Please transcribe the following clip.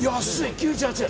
９８円。